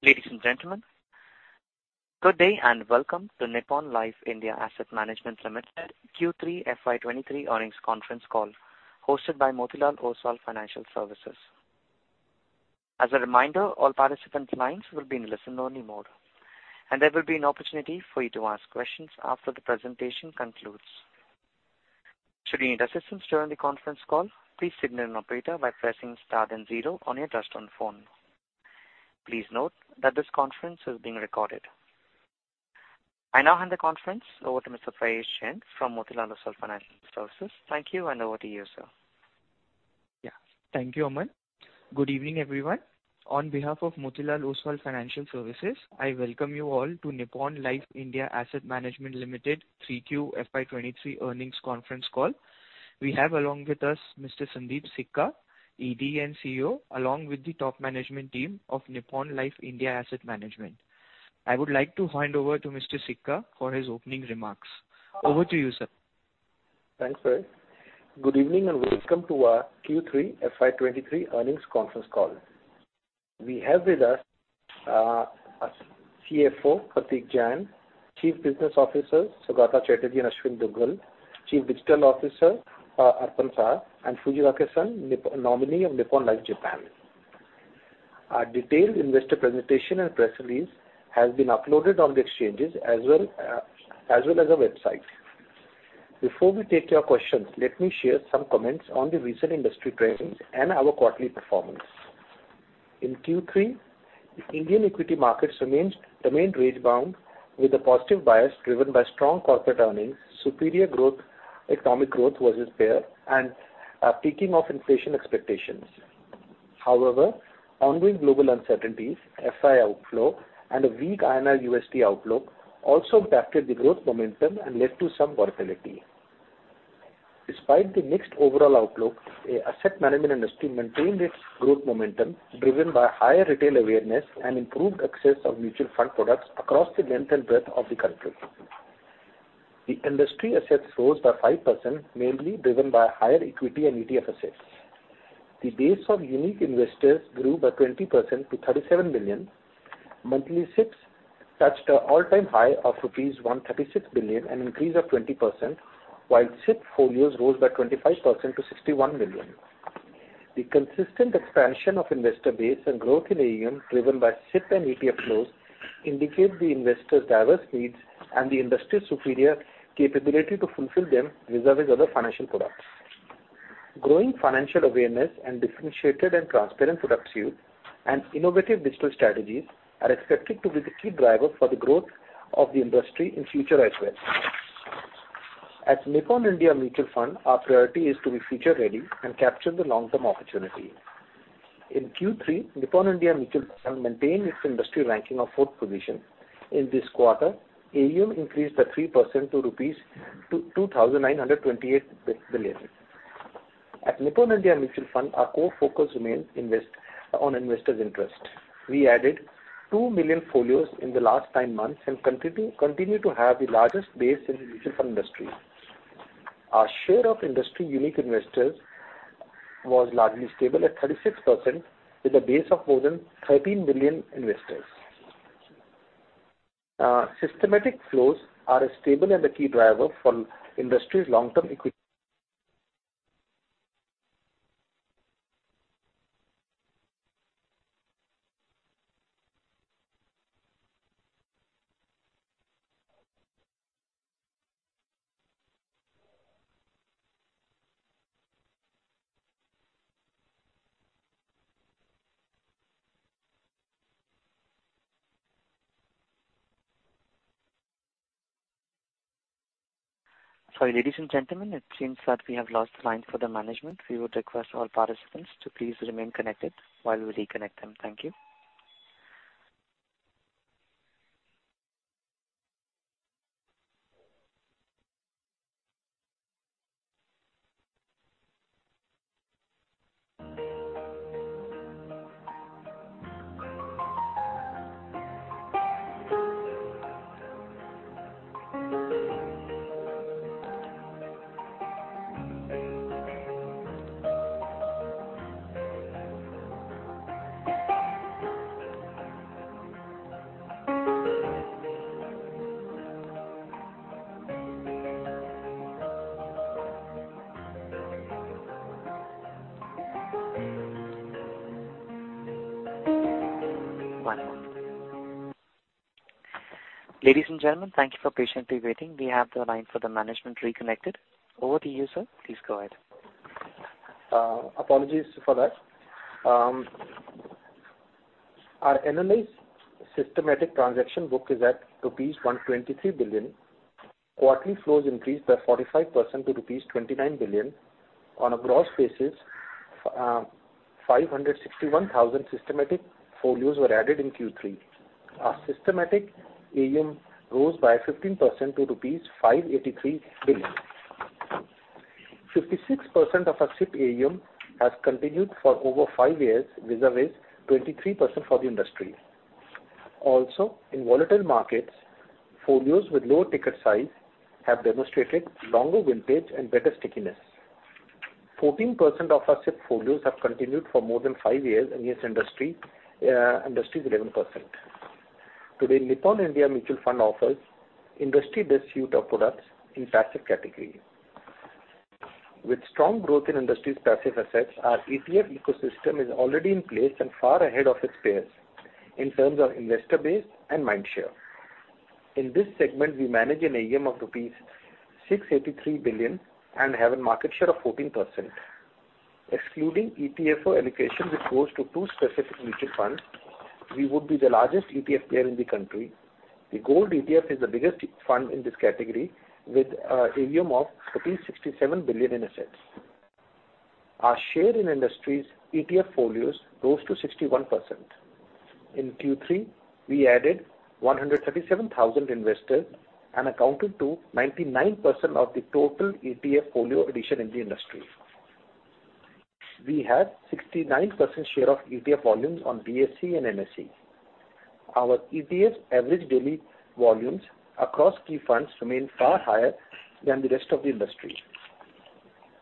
Ladies and gentlemen, good day and welcome to Nippon Life India Asset Management Limited Q3 FY23 earnings conference call hosted by Motilal Oswal Financial Services. As a reminder, all participant lines will be in listen only mode, and there will be an opportunity for you to ask questions after the presentation concludes. Should you need assistance during the conference call, please signal an operator by pressing star then zero on your touchtone phone. Please note that this conference is being recorded. I now hand the conference over to Mr. Piyush Jain from Motilal Oswal Financial Services. Thank you, and over to you, sir. Yeah. Thank you, Aman. Good evening, everyone. On behalf of Motilal Oswal Financial Services, I welcome you all to Nippon Life India Asset Management Limited 3Q FY 2023 earnings conference call. We have along with us Mr. Sundeep Sikka, ED and CEO, along with the top management team of Nippon Life India Asset Management. I would like to hand over to Mr. Sikka for his opening remarks. Over to you, sir. Thanks, Piyush. Good evening, and welcome to our Q3 FY23 earnings conference call. We have with us, our CFO, Prateek Jain, Chief Business Officers, Saugata Chatterjee and Ashwin Duggal, Chief Digital Officer, Arpanarghya Saha, and Fujiwara-san, nominee of Nippon Life Japan. Our detailed investor presentation and press release has been uploaded on the exchanges as well, as well as our website. Before we take your questions, let me share some comments on the recent industry trends and our quarterly performance. In Q3, Indian equity markets remained range bound with a positive bias driven by strong corporate earnings, superior growth, economic growth versus pair, and a peaking of inflation expectations. However, ongoing global uncertainties, FI outflow, and a weak INR-USD outlook also impacted the growth momentum and led to some volatility. Despite the mixed overall outlook, an asset management industry maintained its growth momentum driven by higher retail awareness and improved access of mutual fund products across the length and breadth of the country. The industry assets rose by 5%, mainly driven by higher equity and ETF assets. The base of unique investors grew by 20% to 37 million. Monthly SIPs touched an all-time high of rupees 136 billion, an increase of 20%, while SIP folios rose by 25% to 61 million. The consistent expansion of investor base and growth in AUM driven by SIP and ETF flows indicate the investors' diverse needs and the industry's superior capability to fulfill them vis-à-vis other financial products. Growing financial awareness and differentiated and transparent product suite and innovative digital strategies are expected to be the key drivers for the growth of the industry in future as well. At Nippon India Mutual Fund, our priority is to be future ready and capture the long-term opportunity. In Q3, Nippon India Mutual Fund maintained its industry ranking of fourth position. In this quarter, AUM increased by 3% to rupees 2,928 billion. At Nippon India Mutual Fund, our core focus remains on investors' interest. We added 2 million folios in the last 9 months and continue to have the largest base in the mutual fund industry. Our share of industry unique investors was largely stable at 36% with a base of more than 13 billion investors. Systematic flows are a stable and a key driver for industry's long-term equity- Sorry, ladies and gentlemen. It seems that we have lost the line for the management. We would request all participants to please remain connected while we reconnect them. Thank you. One moment. Ladies and gentlemen, thank you for patiently waiting. We have the line for the management reconnected. Over to you, sir. Please go ahead. Apologies for that. Our NMI systematic transaction book is at rupees 123 billion. Quarterly flows increased by 45% to rupees 29 billion. On a gross basis, 561,000 systematic folios were added in Q3. Our systematic AUM rose by 15% to rupees 583 billion. 56% of our SIP AUM has continued for over 5 years vis-à-vis 23% for the industry. Also, in volatile markets, folios with lower ticket size have demonstrated longer vintage and better stickiness. 14% of our share folios have continued for more than 5 years and yes industry is 11%. Today Nippon India Mutual Fund offers industry best suite of products in passive category. With strong growth in industry's passive assets, our ETF ecosystem is already in place and far ahead of its peers in terms of investor base and mind share. In this segment, we manage an AUM of rupees 683 billion and have a market share of 14%. Excluding ETF for allocation which goes to two specific mutual funds, we would be the largest ETF player in the country. The Gold ETF is the biggest ETF in this category with AUM of 67 billion in assets. Our share in industry's ETF folios rose to 61%. In Q3, we added 137,000 investors and accounted to 99% of the total ETF folio addition in the industry. We had 69% share of ETF volumes on BSE and NSE. Our ETF average daily volumes across key funds remain far higher than the rest of the industry.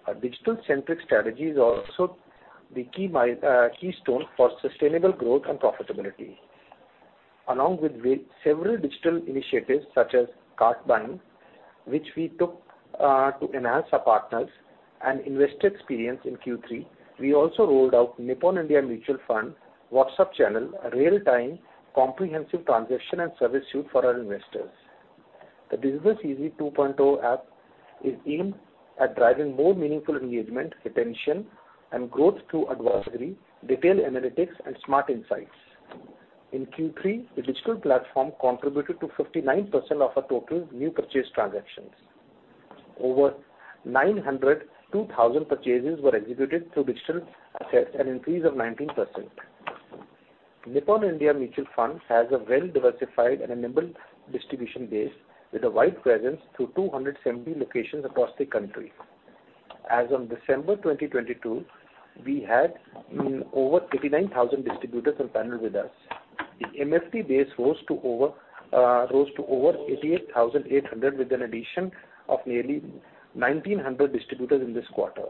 Our digital centric strategy is also the keystone for sustainable growth and profitability. Along with several digital initiatives such as cart buying, which we took, to enhance our partners and investor experience in Q3, we also rolled out Nippon India Mutual Fund WhatsApp channel, a real-time comprehensive transaction and service suite for our investors. The Business Easy 2.0 app is aimed at driving more meaningful engagement, retention and growth through advisory, detailed analytics and smart insights. In Q3, the digital platform contributed to 59% of our total new purchase transactions. Over 902,000 purchases were executed through digital assets, an increase of 19%. Nippon India Mutual Fund has a well-diversified and enabled distribution base with a wide presence through 270 locations across the country. As on December 2022, we had over 39,000 distributors on panel with us. The MFD base rose to over 88,800 with an addition of nearly 1,900 distributors in this quarter.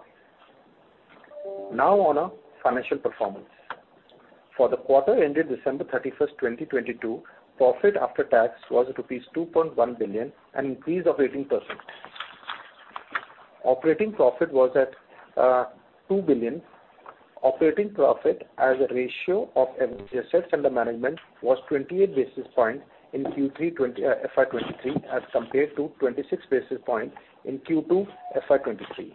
On our financial performance. For the quarter ended December 31st, 2022, profit after tax was rupees 2.1 billion, an increase of 18%. Operating profit was at 2 billion. Operating profit as a ratio of AUM was 28 basis points in Q3 FY23 as compared to 26 basis points in Q2 FY23.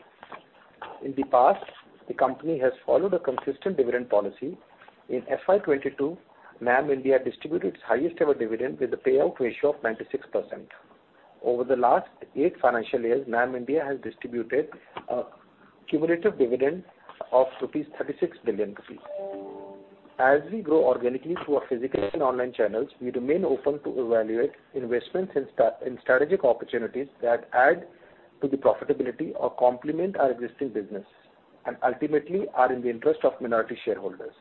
In the past, the company has followed a consistent dividend policy. In FY22, NAMIndia distributed its highest ever dividend with a payout ratio of 96%. Over the last eight financial years, NAMIndia has distributed a cumulative dividend of 36 billion rupees. As we grow organically through our physical and online channels, we remain open to evaluate investments in strategic opportunities that add to the profitability or complement our existing business and ultimately are in the interest of minority shareholders.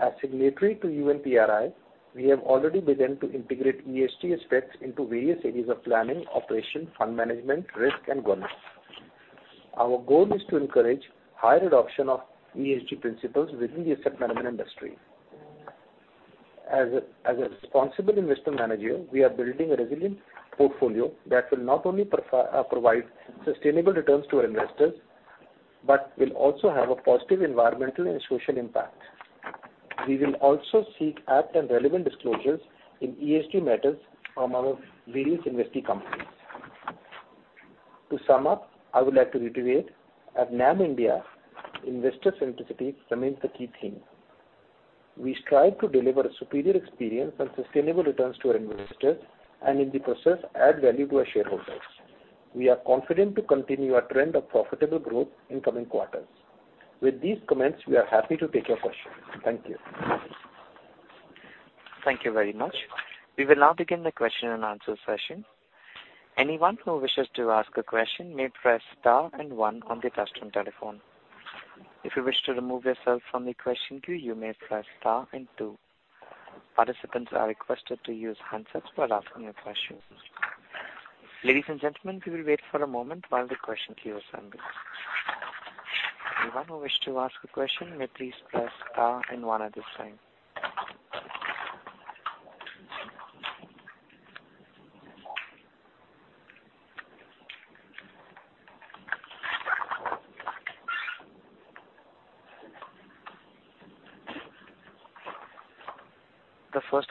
As signatory to UNPRI, we have already begun to integrate ESG aspects into various areas of planning, operation, fund management, risk and governance. Our goal is to encourage higher adoption of ESG principles within the asset management industry. As a responsible investment manager, we are building a resilient portfolio that will not only provide sustainable returns to our investors, but will also have a positive environmental and social impact. We will also seek apt and relevant disclosures in ESG matters from our various investee companies. To sum up, I would like to reiterate, at NAM India investor centricity remains the key theme. We strive to deliver a superior experience and sustainable returns to our investors and in the process add value to our shareholders. We are confident to continue our trend of profitable growth in coming quarters. With these comments, we are happy to take your questions. Thank you. Thank you very much. We will now begin the question and answer session. Anyone who wishes to ask a question may press star and 1 on the touchtone telephone. If you wish to remove yourself from the question queue, you may press star and 2. Participants are requested to use handsets while asking your questions. Ladies and gentlemen, we will wait for a moment while the question queue assembles. Anyone who wish to ask a question may please press star and 1 at this time.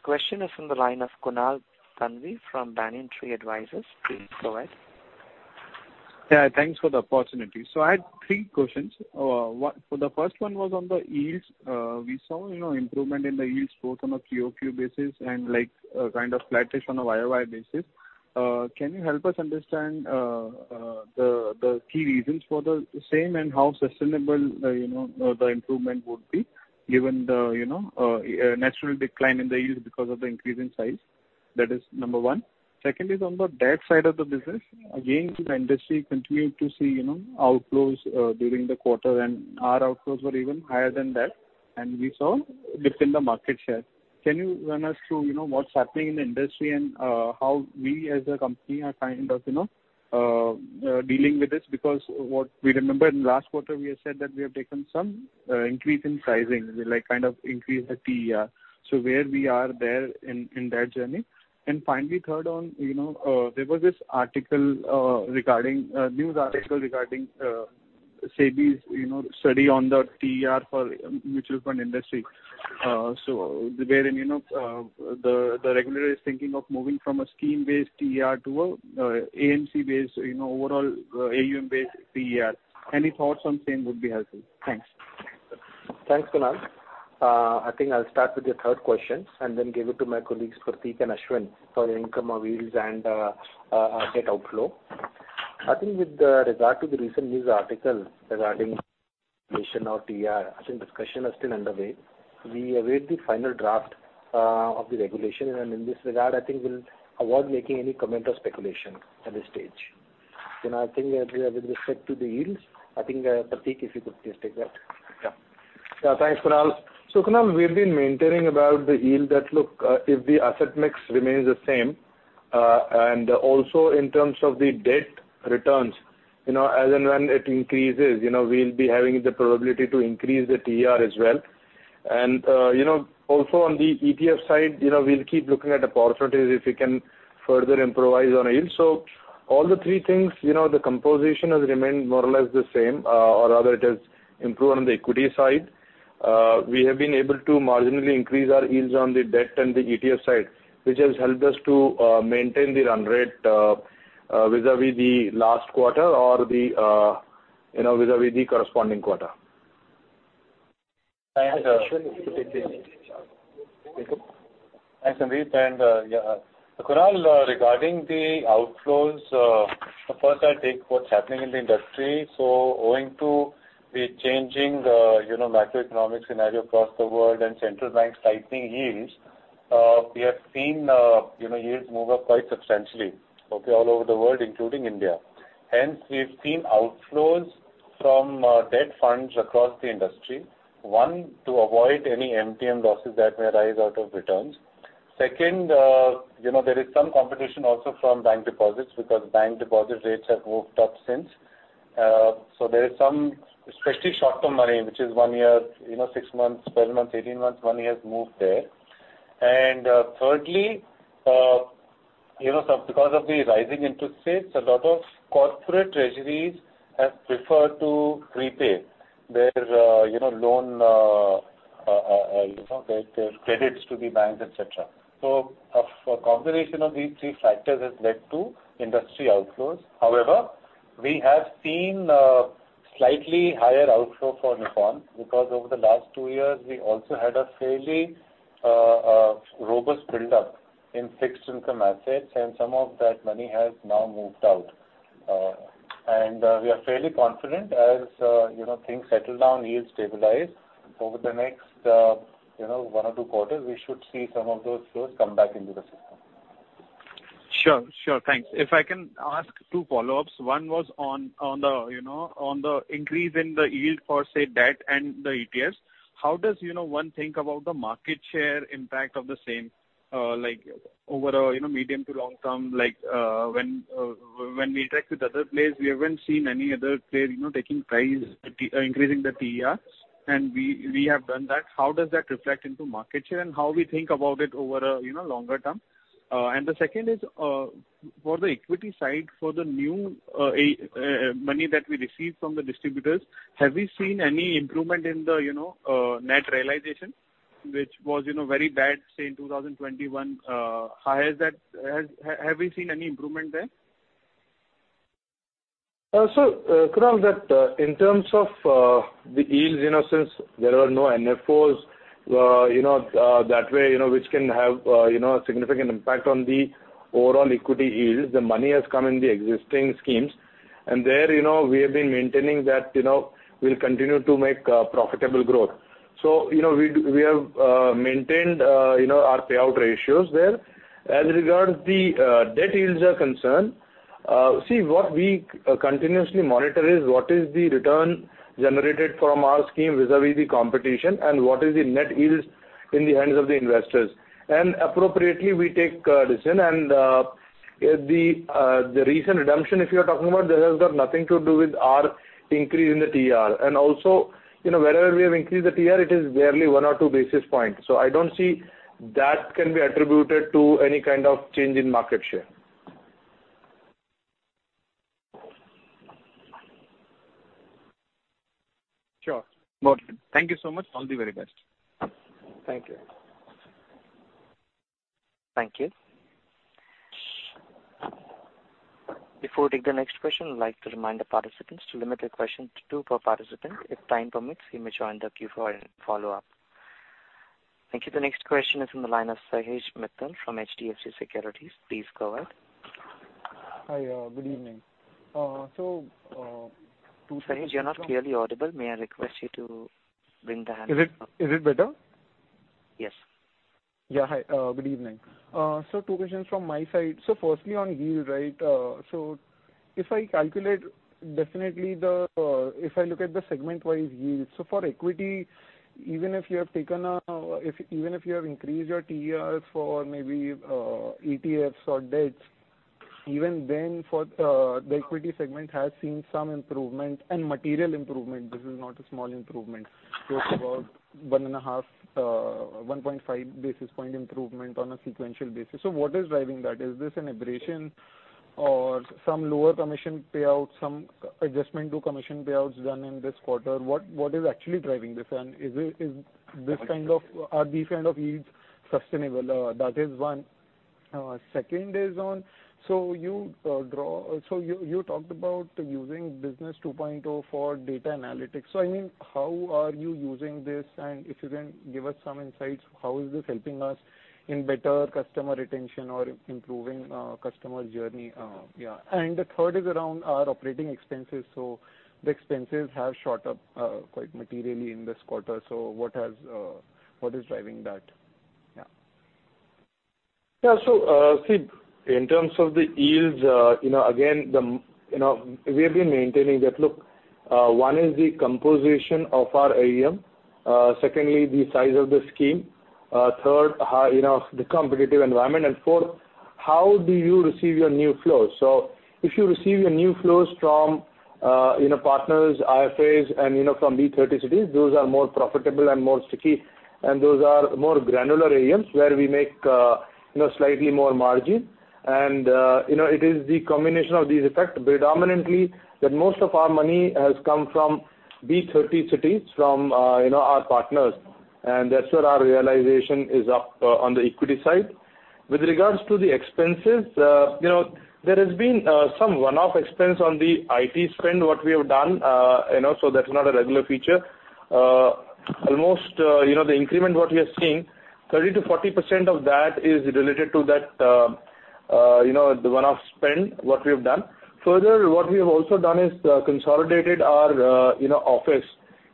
The first question is from the line of Kunal Taneja from Banyan Tree Advisors. Please go ahead. Yeah, thanks for the opportunity. I had three questions. The first one was on the yields. We saw, you know, improvement in the yields both on a QoQ basis and like, kind of flattish on a YoY basis. Can you help us understand the key reasons for the same and how sustainable, you know, the improvement would be given the, you know, natural decline in the yield because of the increase in size? That is number one. Second is on the debt side of the business. The industry continued to see, you know, outflows during the quarter and our outflows were even higher than that and we saw dip in the market share. Can you run us through, you know, what's happening in the industry and how we as a company are kind of, you know, dealing with this? Because what we remember in last quarter we have said that we have taken some increase in pricing, like kind of increase the TER. Where we are there in that journey. Finally, third on, you know, there was this article regarding a news article regarding SEBI's, you know, study on the TER for mutual fund industry. Wherein, you know, the regulator is thinking of moving from a scheme-based TER to an AMC based, you know, overall AUM based TER. Any thoughts on same would be helpful. Thanks. Thanks, Kunal. I think I'll start with your third question and then give it to my colleagues, Prateek and Ashwin for income on yields and net outflow. I think with the regard to the recent news article regarding position of TER, I think discussion are still underway. We await the final draft of the regulation and in this regard, I think we'll avoid making any comment or speculation at this stage. I think with respect to the yields, I think Prateek, if you could please take that. Yeah, thanks, Kunal. Kunal, we've been maintaining about the yield that look, if the asset mix remains the same, and also in terms of the debt returns, you know, as and when it increases, you know, we'll be having the probability to increase the TER as well. Also on the ETF side, you know, we'll keep looking at opportunities if we can further improvise on yield. All the three things, you know, the composition has remained more or less the same, or rather it has improved on the equity side. We have been able to marginally increase our yields on the debt and the ETF side, which has helped us to maintain the run rate vis-a-vis the last quarter or the, you know, vis-a-vis the corresponding quarter. And, uh. Thanks, Sundeep. Yeah. Kunal, regarding the outflows, first I'll take what's happening in the industry. Owing to the changing, you know, macroeconomic scenario across the world and central banks tightening yields, we have seen, you know, yields move up quite substantially, okay, all over the world, including India. Hence, we've seen outflows from debt funds across the industry. One, to avoid any MTM losses that may arise out of returns. Second, you know, there is some competition also from bank deposits because bank deposit rates have moved up since. There is some especially short-term money which is 1 year, you know, 6 months, 12 months, 18 months, 1 year has moved there. Thirdly, you know, some because of the rising interest rates, a lot of corporate treasuries have preferred to repay their, you know, loan, you know, their credits to the banks, et cetera. A combination of these three factors has led to industry outflows. However, we have seen slightly higher outflow for Nippon because over the last two years we also had a fairly robust build-up in fixed income assets and some of that money has now moved out. We are fairly confident as, you know, things settle down, yields stabilize over the next, you know, one or two quarters we should see some of those flows come back into the system. Sure. Sure. Thanks. If I can ask 2 follow-ups. One was on the, you know, on the increase in the yield for say debt and the ETFs. How does you know one think about the market share impact of the same, like over a, you know, medium to long term like, when we interact with other players, we haven't seen any other player, you know, taking price, increasing the TER and we have done that. How does that reflect into market share and how we think about it over a, you know, longer term? And the second is for the equity side for the new a, money that we received from the distributors, have we seen any improvement in the, you know, net realization which was, you know, very bad say in 2021? How is that have we seen any improvement there? Kunal that, in terms of the yields, you know, since there are no NFOs, you know, that way, you know, which can have, you know, a significant impact on the overall equity yields. The money has come in the existing schemes. There, you know, we have been maintaining that, you know, we'll continue to make profitable growth. You know, we do, we have maintained, you know, our payout ratios there. As regards the debt yields are concerned, see what we continuously monitor is what is the return generated from our scheme vis-a-vis the competition and what is the net yields in the hands of the investors. Appropriately we take decision and the recent redemption if you're talking about this has got nothing to do with our increase in the TER. Also, you know, wherever we have increased the TER it is barely 1 or 2 basis points. I don't see that can be attributed to any kind of change in market share. Sure. Got it. Thank you so much. All the very best. Thank you. Thank you. Before we take the next question, I'd like to remind the participants to limit their question to 2 per participant. If time permits you may join the queue for any follow-up. Thank you. The next question is from the line of Sahej Mittal from HDFC Securities. Please go ahead. Hi, good evening. Sorry, you're not clearly audible. May I request you to bring the hand-. Is it better? Yes. Hi, good evening. Two questions from my side. Firstly on yield, right? If I calculate definitely, if I look at the segment-wise yields, for equity, even if you have taken, even if you have increased your TRs for maybe ETFs or debts, even then, the equity segment has seen some improvement and material improvement. This is not a small improvement. It's about 1.5 basis point improvement on a sequential basis. What is driving that? Is this an abrasion or some lower commission payout, some adjustment to commission payouts done in this quarter? What is actually driving this? And are these kind of yields sustainable? That is one. Second is on you draw... You talked about using Business 2.0 for data analytics. I mean, how are you using this? If you can give us some insights, how is this helping us in better customer retention or improving customer journey? The third is around our operating expenses. The expenses have shot up quite materially in this quarter. What has, what is driving that? Yeah. See in terms of the yields, you know, again, you know, we have been maintaining that look, one is the composition of our AUM. Secondly, the size of the scheme. Third, how, you know, the competitive environment. Fourth, how do you receive your new flows? If you receive your new flows from, you know, partners, IFAs and you know, from B30 cities, those are more profitable and more sticky, and those are more granular AUMs where we make, you know, slightly more margin. It is the combination of these effects predominantly that most of our money has come from B30 cities from, you know, our partners. That's where our realization is up, on the equity side. With regards to the expenses, you know, there has been some one-off expense on the IT spend, what we have done. You know, that's not a regular feature. Almost, you know, the increment, what we are seeing, 30%-40% of that is related to that, you know, the one-off spend, what we have done. Further, what we have also done is consolidated our, you know, office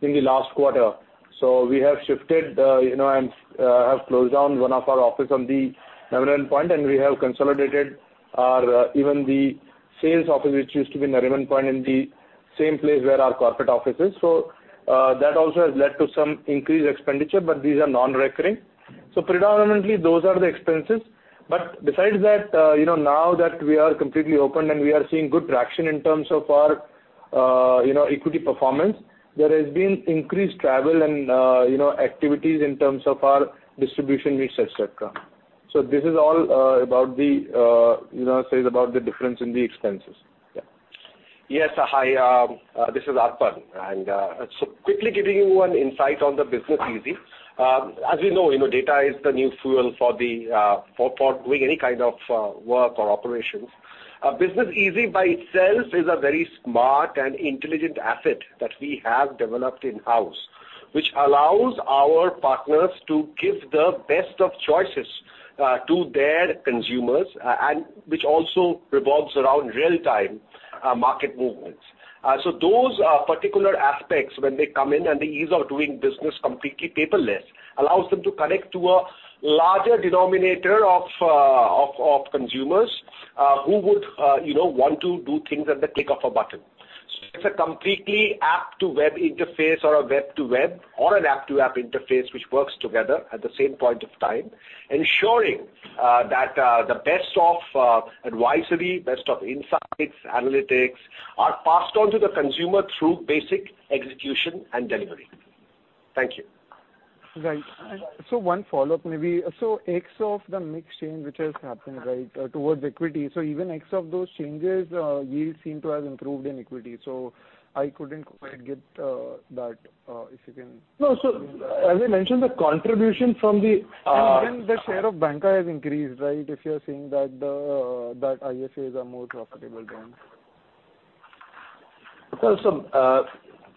in the last quarter. We have shifted, you know, and have closed down one of our office on the Nariman Point, and we have consolidated our, even the sales office, which used to be Nariman Point in the same place where our corporate office is. That also has led to some increased expenditure, but these are non-recurring. Predominantly those are the expenses. Besides that, you know, now that we are completely open and we are seeing good traction in terms of our, you know, equity performance, there has been increased travel and, you know, activities in terms of our distribution mix, et cetera. This is all, about the, you know, says about the difference in the expenses. Yeah. Yes. Hi, this is Arpan. Quickly giving you one insight on the Business Easy. As you know, you know, data is the new fuel for doing any kind of work or operations. Business Easy by itself is a very smart and intelligent asset that we have developed in-house, which allows our partners to give the best of choices to their consumers, and which also revolves around real-time market movements. Those particular aspects when they come in and the ease of doing business completely paperless allows them to connect to a larger denominator of consumers, who would, you know, want to do things at the click of a button. It's a completely app to web interface or a web to web or an app to app interface, which works together at the same point of time, ensuring that the best of advisory, best of insights, analytics are passed on to the consumer through basic execution and delivery. Thank you. Right. One follow-up maybe. Ex of the mix change which has happened, right, towards equity. Even ex of those changes, yields seem to have improved in equity. I couldn't quite get that. No. As I mentioned, the contribution from the. The share of banker has increased, right? If you are saying that the, that IFAs are more profitable then.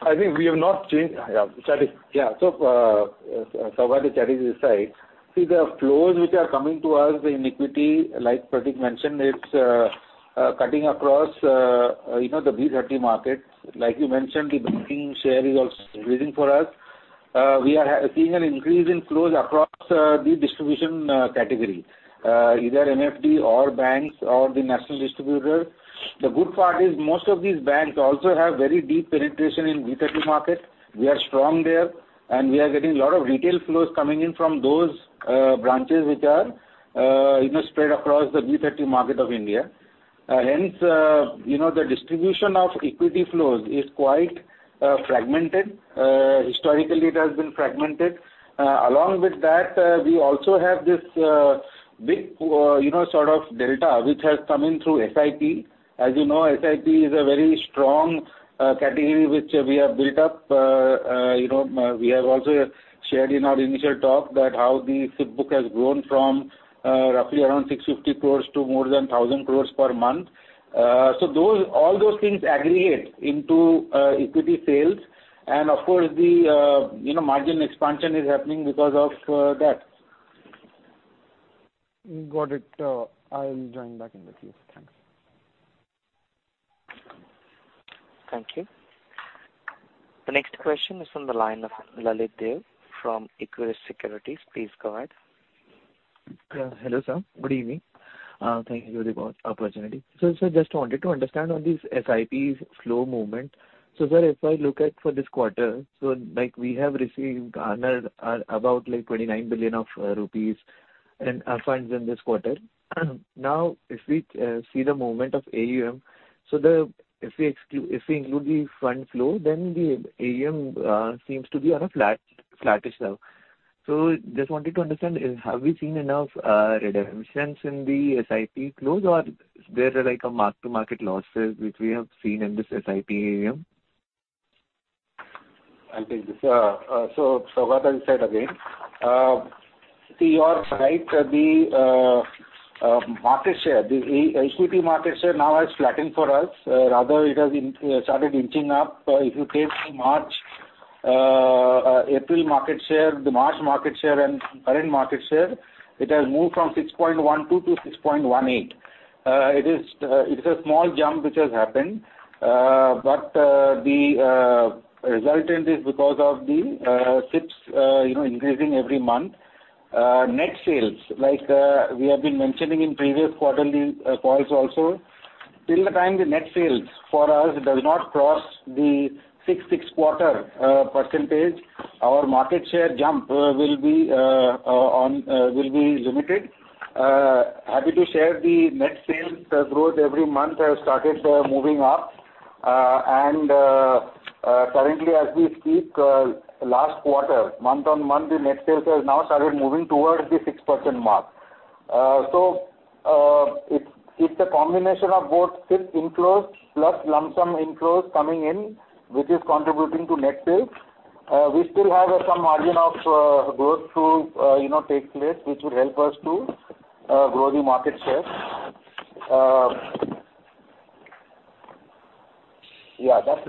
I think we have not changed. Yeah. Chirag Talati. Yeah. What Chirag Talati is saying, see the flows which are coming to us in equity, like Prateek Jain mentioned, it's cutting across, you know, the B30 market. Like you mentioned, the banking share is also raising for us. We are seeing an increase in flows across the distribution category, either NFD or banks or the national distributor. The good part is most of these banks also have very deep penetration in B30 market. We are strong there. We are getting a lot of retail flows coming in from those branches which are, you know, spread across the B30 market of India. Hence, you know, the distribution of equity flows is quite fragmented. Historically it has been fragmented. Along with that, we also have this big, you know, sort of delta which has come in through SIP. As you know, SIP is a very strong category which we have built up. You know, we have also shared in our initial talk that how the SIP book has grown from roughly around 650 crores to more than 1,000 crores per month. Those, all those things aggregate into equity sales and of course the, you know, margin expansion is happening because of that. Got it. I'll join back in the queue. Thanks. Thank you. The next question is from the line of Lalit Deo from Equirus Securities. Please go ahead. Hello, sir. Good evening. Thank you very much for the opportunity. Sir, just wanted to understand on these SIPs flow movement. Sir, if I look at for this quarter, like we have received, garnered, about like 29 billion rupees in funds in this quarter. If we see the movement of AUM, if we include the fund flow, then the AUM seems to be on a flattish now. Just wanted to understand, have we seen enough redemptions in the SIP close or there are like a mark-to-market losses which we have seen in this SIP AUM? I'll take this. Prabhat here again. See, you are right. The market share, the e-equity market share now has flattened for us. Rather it has started inching up. If you take the March, April market share, the March market share and current market share, it has moved from 6.12 to 6.18. It is a small jump which has happened. The resultant is because of the SIPs, you know, increasing every month. Net sales, like we have been mentioning in previous quarterly calls also, till the time the net sales for us does not cross the 6 quarter percentage, our market share jump will be limited. Happy to share the net sales growth every month has started moving up. Currently as we speak, last quarter, month-on-month the net sales has now started moving towards the 6% mark. It's a combination of both SIPs inflows plus lump sum inflows coming in, which is contributing to net sales. We still have some margin of growth to, you know, take place, which would help us to grow the market share. Yeah, that's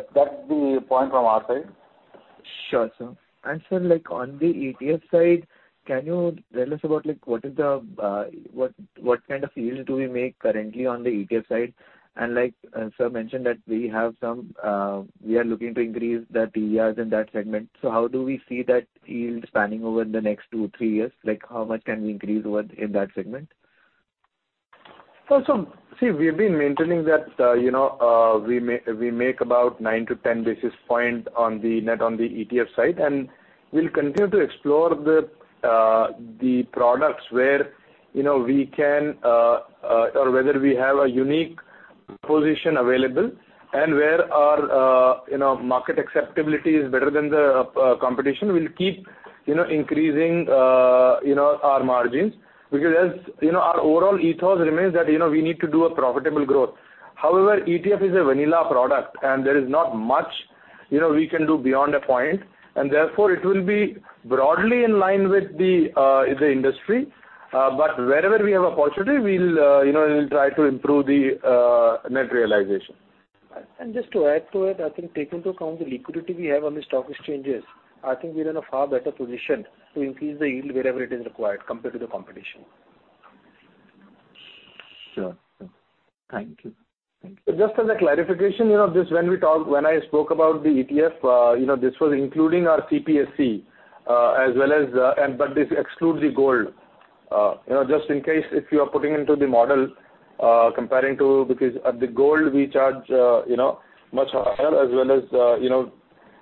the point from our side. Sure, sir. Sir, like on the ETF side, can you tell us about like what kind of yield do we make currently on the ETF side? Like, sir mentioned that we have some, we are looking to increase the TDRs in that segment. How do we see that yield spanning over the next 2-3 years? Like, how much can we increase over in that segment? see, we've been maintaining that, you know, we make about 9 to 10 basis point on the net on the ETF side, and we'll continue to explore the products where, you know, we can, or whether we have a unique position available and where our, you know, market acceptability is better than the competition will keep, you know, increasing, our margins. Because as you know, our overall ethos remains that, you know, we need to do a profitable growth. However, ETF is a vanilla product and there is not much, you know, we can do beyond a point, and therefore it will be broadly in line with the industry. But wherever we have a opportunity, we'll, you know, we'll try to improve the net realization. Just to add to it, I think take into account the liquidity we have on the stock exchanges. I think we're in a far better position to increase the yield wherever it is required compared to the competition. Sure. Thank you. Thank you. Just as a clarification, you know, just when we talk, when I spoke about the ETF, you know, this was including our CPSE as well as, but this excludes the gold. You know, just in case if you are putting into the model, comparing to because at the gold we charge, you know, much higher as well as.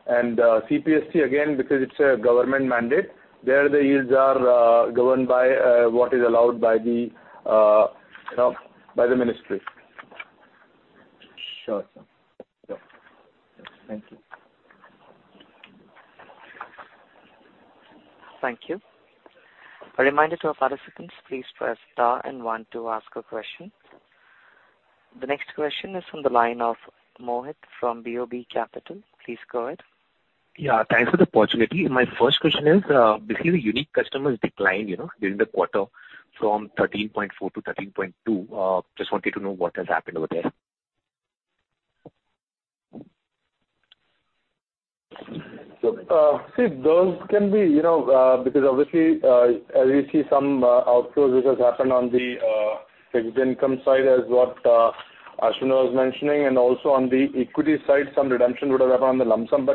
CPSE again because it's a government mandate, there the yields are governed by what is allowed by the, you know, by the ministry. Sure, sir. Sure. Thank you. Thank you. A reminder to our participants, please press star and 1 to ask a question. The next question is from the line of Mohit from BOB Capital. Please go ahead. Yeah, thanks for the opportunity. My first question is, we see the unique customers decline, you know, during the quarter from 13.4 to 13.2. Just wanted to know what has happened over there? See those can be, you know, because obviously, as you see some outflows which has happened on the fixed income side as what Ashvin was mentioning, and also on the equity side, some redemption would have happened on the lump sum.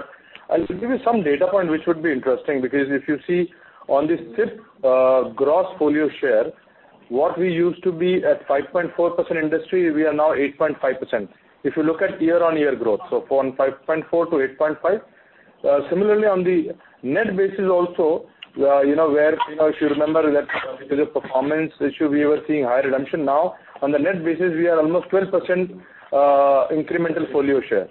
I'll give you some data point which would be interesting because if you see on the SIP gross folio share, what we used to be at 5.4% industry, we are now 8.5%. If you look at year-over-year growth, from 5.4 to 8.5. Similarly on the net basis also, you know, where, you know, if you remember that because of performance issue, we were seeing high redemption. Now, on the net basis, we are almost 12% incremental folio share.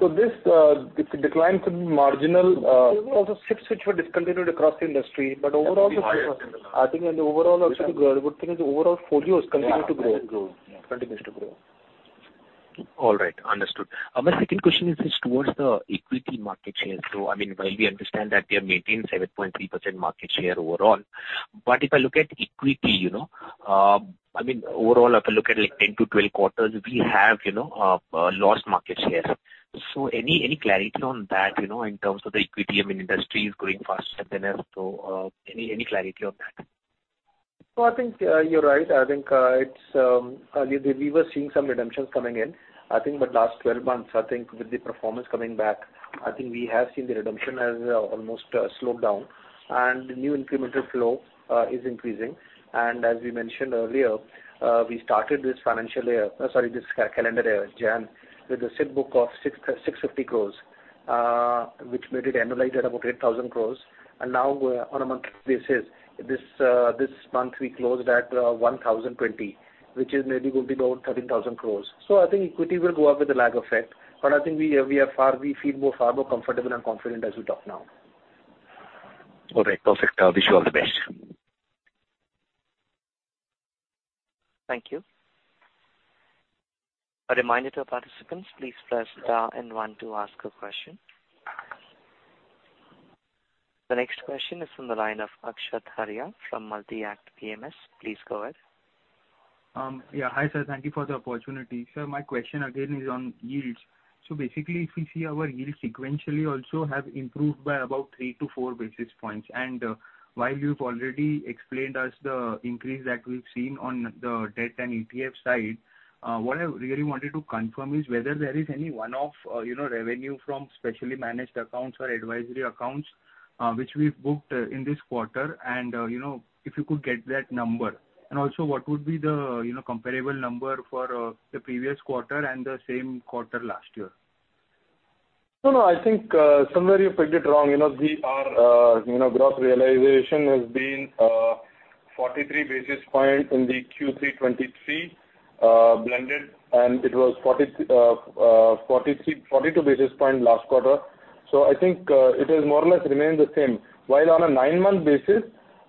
This decline could be marginal. There were also SIPs which were discontinued across the industry. I think in the overall also the good thing is the overall folios continue to grow. Yeah. Continues to grow. All right. Understood. my second question is towards the equity market share. I mean, while we understand that we have maintained 7.3% market share overall, but if I look at equity, you know, I mean, overall if I look at like 10-12 quarters, we have, you know, lost market share. Any clarity on that, you know, in terms of the equity, I mean, industry is growing faster than us? Any clarity on that? I think you're right. I think it's earlier we were seeing some redemptions coming in. I think the last 12 months, I think with the performance coming back, I think we have seen the redemption has almost slowed down and new incremental flow is increasing. As we mentioned earlier, we started this calendar year, January, with a SIP book of 650 crore, which made it annualized at about 8,000 crore. Now we're on a monthly basis. This month we closed at 1,020 crore, which is maybe going to be around 13,000 crore. I think equity will go up with a lag effect. I think we are far, we feel far more comfortable and confident as we talk now. Okay, perfect. I wish you all the best. Thank you. A reminder to our participants, please press star and one to ask a question. The next question is from the line of Akshat Arya from Multi-Act PMS. Please go ahead. Yeah. Hi, sir. Thank you for the opportunity. Sir, my question again is on yields. Basically, if we see our yields sequentially also have improved by about 3 to 4 basis points. While you've already explained us the increase that we've seen on the debt and ETF side, what I really wanted to confirm is whether there is any one-off, you know, revenue from specially managed accounts or advisory accounts, which we've booked in this quarter. You know, if you could get that number. Also, what would be the, you know, comparable number for the previous quarter and the same quarter last year? No, no, I think, somewhere you've picked it wrong. You know, the, our, you know gross realization has been, 43 basis point in the Q3 2023, blended, and it was 43, 42 basis point last quarter. I think, it has more or less remained the same. While on a 9-month basis,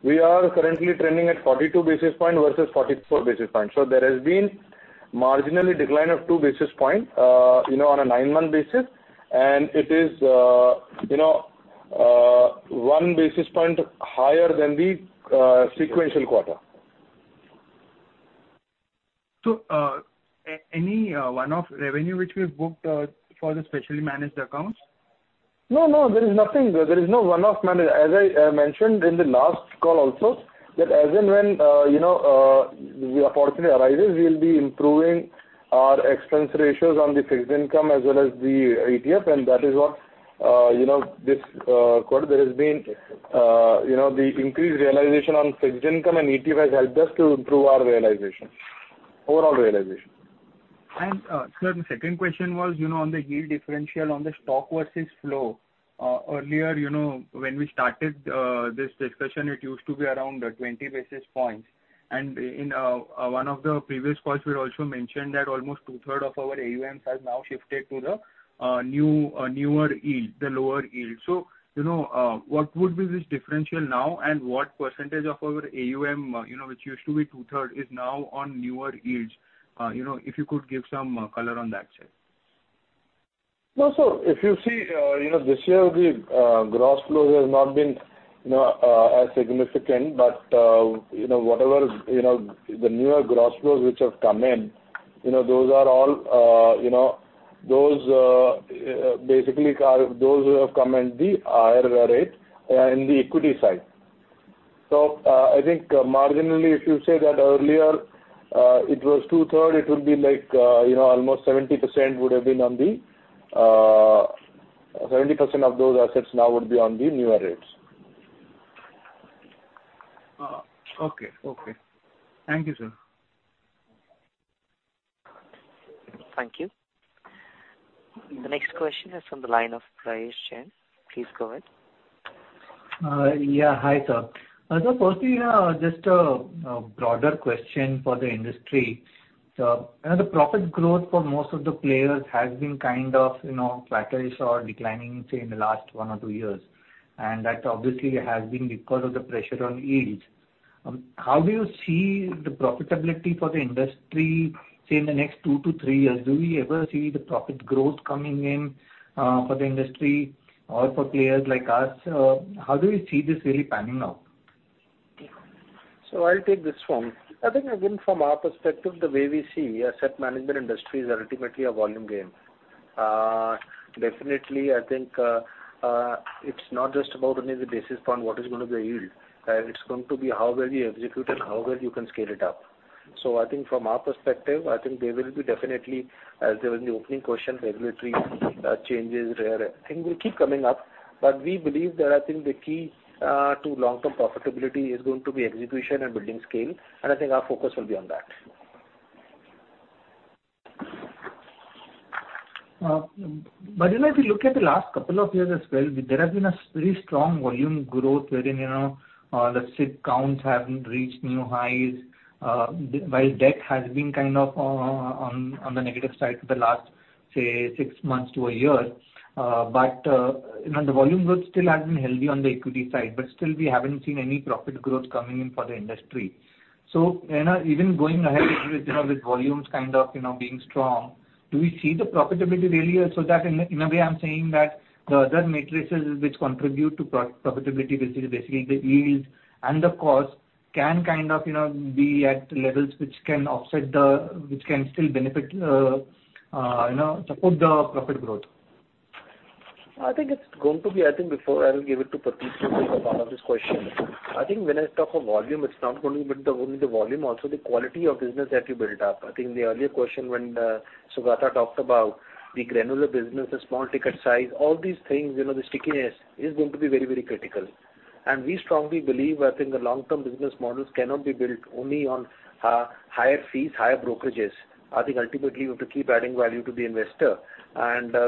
we are currently trending at 42 basis point versus 44 basis point. There has been marginally decline of 2 basis point, you know, on a 9-month basis, and it is, you know, 1 basis point higher than the sequential quarter. Any one-off revenue which we've booked for the specially managed accounts? No, no, there is nothing. There is no one-off manage. As I mentioned in the last call also, that as and when, you know, the opportunity arises, we'll be improving our expense ratios on the fixed income as well as the ETF, and that is what, you know, this quarter there has been, you know, the increased realization on fixed income and ETF has helped us to improve our realization, overall realization. Sir, the second question was, you know, on the yield differential on the stock versus flow. Earlier, you know, when we started this discussion, it used to be around 20 basis points. In one of the previous calls, we'd also mentioned that almost two-third of our AUMs have now shifted to the new, newer yield, the lower yield. You know, what would be this differential now and what % of our AUM, you know, which used to be two-third, is now on newer yields? You know, if you could give some color on that side. If you see, you know, this year the gross flows has not been, you know, as significant. Whatever, you know, the newer gross flows which have come in, you know, those are all, you know, those, basically those who have come in the higher rate, in the equity side. I think marginally, if you say that earlier, it was two-third, it would be like, you know, almost 70% would have been on the, 70% of those assets now would be on the newer rates. Okay. Okay. Thank you, sir. Thank you. The next question is from the line of Prayesh Jain. Please go ahead. Yeah. Hi, sir. Firstly, just a broader question for the industry. You know, the profit growth for most of the players has been kind of, you know, flat or declining, say, in the last 1 or 2 years. That obviously has been because of the pressure on yields. How do you see the profitability for the industry, say, in the next 2 to 3 years? Do we ever see the profit growth coming in for the industry or for players like us? How do you see this really panning out? I'll take this one. I think again, from our perspective, the way we see, asset management industry is ultimately a volume game. Definitely, I think, it's not just about only the basis point what is gonna be the yield. It's going to be how well you execute and how well you can scale it up. I think from our perspective, I think there will be definitely, as there was in the opening question, regulatory changes, I think will keep coming up. We believe that I think the key to long-term profitability is going to be execution and building scale, and I think our focus will be on that. You know, if you look at the last couple of years as well, there has been a pretty strong volume growth wherein, you know, the SIP counts have reached new highs, while debt has been kind of on the negative side for the last, say, six months to a year. You know, the volume growth still has been healthy on the equity side, but still we haven't seen any profit growth coming in for the industry. You know, even going ahead with, you know, with volumes kind of, you know, being strong, do we see the profitability really? That in a way, I'm saying that the matrices which contribute to profitability, this is basically the yield and the cost can kind of, you know, be at levels which can offset the...which can still benefit, you know, support the profit growth. I think before I'll give it to Prateek to take on all of these questions. I think when I talk of volume, it's not going to be with the volume, also the quality of business that you build up. I think the earlier question when Sugata talked about the granular business, the small ticket size, all these things, you know, the stickiness is going to be very, very critical. We strongly believe, I think the long-term business models cannot be built only on higher fees, higher brokerages. I think ultimately you have to keep adding value to the investor.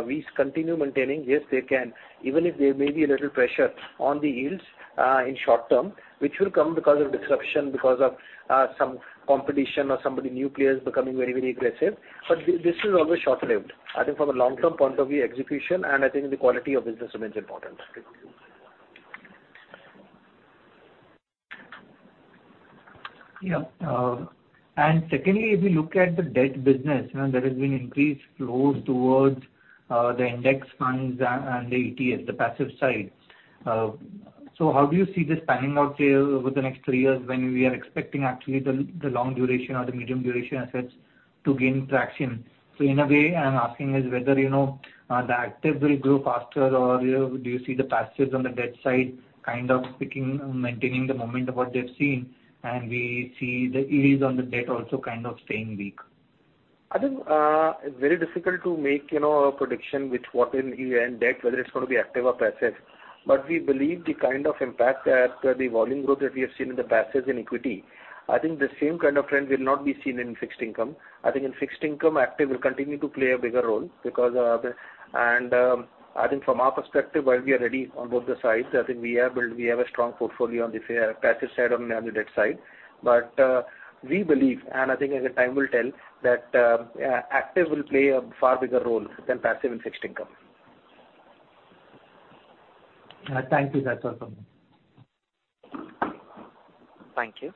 We continue maintaining, yes, they can. Even if there may be a little pressure on the yields in short term, which will come because of disruption, because of some competition or somebody new players becoming very, very aggressive. This is always short-lived. I think from a long-term point of view, execution, and I think the quality of business remains important. Yeah. Secondly, if you look at the debt business, you know, there has been increased flows towards the index funds and the ETFs, the passive side. How do you see this panning out here over the next three years when we are expecting actually the long duration or the medium duration assets to gain traction? In a way, I'm asking is whether, you know, the active will grow faster or, you know, do you see the passives on the debt side kind of sticking, maintaining the momentum what they've seen? We see the yields on the debt also kind of staying weak. I think it's very difficult to make, you know, a prediction with what in yield and debt, whether it's gonna be active or passive. We believe the kind of impact that the volume growth that we have seen in the passives in equity, I think the same kind of trend will not be seen in fixed income. I think in fixed income, active will continue to play a bigger role because I think from our perspective, while we are ready on both the sides, I think we have a strong portfolio on the passive side and on the debt side. We believe, and I think as the time will tell, that active will play a far bigger role than passive in fixed income. Thank you. That's all from me. Thank you.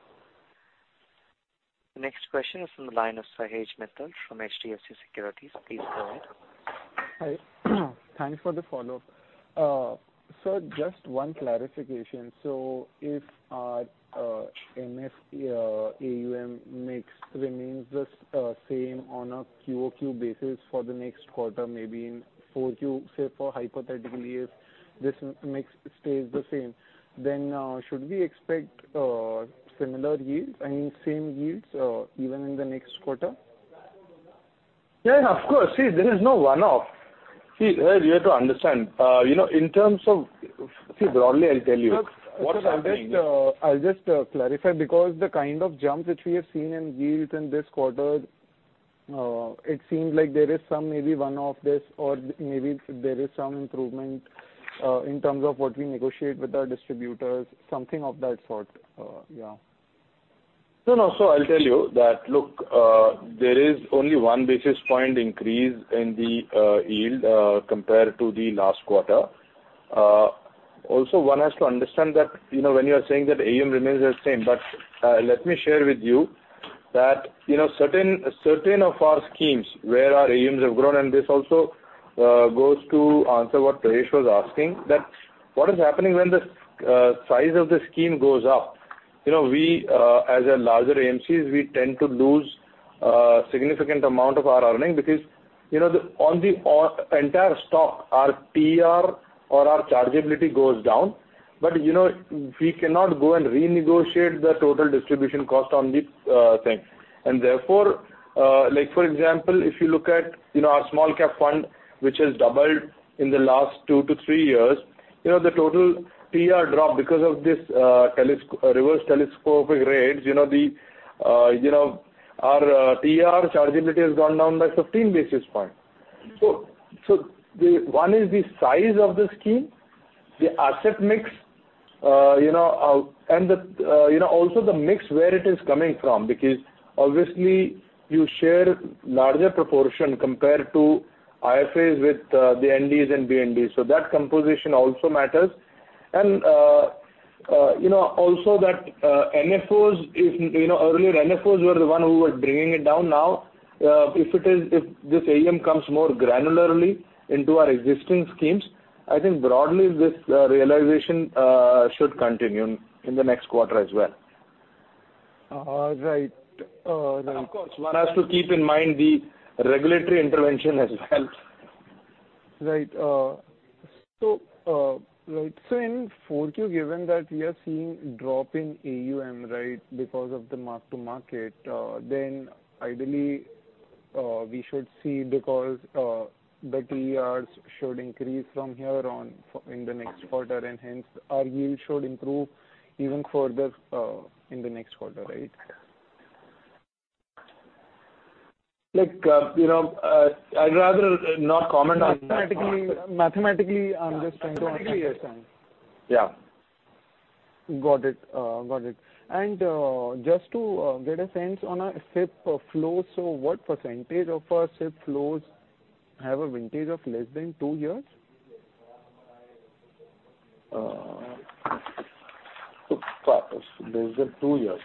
The next question is from the line of Sahej Mittal from HDFC Securities. Please go ahead. Hi. Thanks for the follow-up. Sir, just one clarification. If MF AUM mix remains the same on a QOQ basis for the next quarter, maybe in 4Q, say for hypothetically if this mix stays the same, should we expect similar yields, I mean, same yields, even in the next quarter? Yeah, of course. See, there is no one-off. See, Sahej, you have to understand, you know. See, broadly, I'll tell you what is happening I'll just clarify because the kind of jump which we have seen in yields in this quarter, it seems like there is some maybe one-off this or maybe there is some improvement, in terms of what we negotiate with our distributors, something of that sort. Yeah. I'll tell you that, look, there is only 1 basis point increase in the yield compared to the last quarter. Also one has to understand that, you know, when you are saying that AUM remains the same, but let me share with you that, you know, certain of our schemes where our AUMs have grown, and this also goes to answer what Prayesh was asking, that what is happening when the size of the scheme goes up, you know, we as a larger AMCs, we tend to lose a significant amount of our earning because, you know, on the entire stock, our TR or our chargeability goes down. You know, we cannot go and renegotiate the total distribution cost on the thing. Therefore, like for example, if you look at, you know, our small cap fund which has doubled in the last 2-3 years, you know, the total TR drop because of this reverse telescopic rates, you know, the, you know, our TR chargeability has gone down by 15 basis points. The, one is the size of the scheme, the asset mix, you know, and the, you know, also the mix where it is coming from, because obviously you share larger proportion compared to IFAs with the NDs and BNDs. That composition also matters. You know, also that MFOs is, you know, earlier MFOs were the one who were bringing it down. If this AUM comes more granularly into our existing schemes, I think broadly this realization should continue in the next quarter as well. Right. Of course, one has to keep in mind the regulatory intervention as well. Right. In 4Q, given that we are seeing drop in AUM, right, because of the mark-to-market, then ideally, we should see because the TRs should increase from here on for, in the next quarter and hence our yield should improve even further, in the next quarter, right? Like, you know, I'd rather not comment on that part but- Mathematically, I'm just trying to understand. Yeah. Got it. Got it. Just to get a sense on our FIP flows, what percentage of our FIP flows have a vintage of less than two years? Less than 2 years.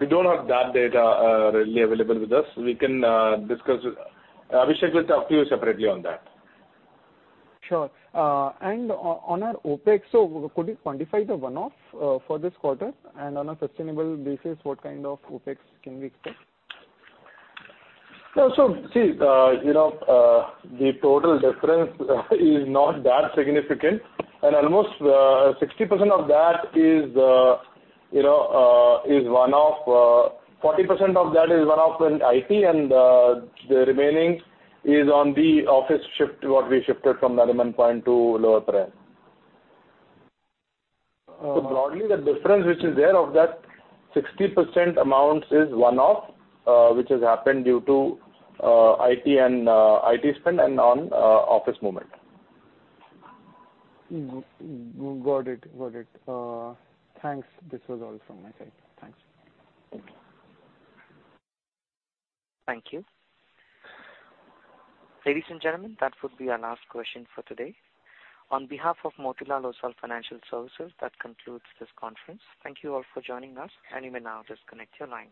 We don't have that data, readily available with us. We can. Abhishek will talk to you separately on that. Sure. On our OpEx, could you quantify the one-off for this quarter? On a sustainable basis, what kind of OpEx can we expect? See, you know, the total difference is not that significant. Almost 60% of that is, you know, is one-off. 40% of that is one-off in IT, and the remaining is on the office shift, what we shifted from Nariman Point to Lower Parel. Uh- Broadly, the difference which is there of that 60% amount is one-off, which has happened due to IT and IT spend and on office movement. Got it. Got it. Thanks. This was all from my side. Thanks. Thank you. Thank you. Ladies and gentlemen, that would be our last question for today. On behalf of Motilal Oswal Financial Services, that concludes this conference. Thank you all for joining us, and you may now disconnect your lines.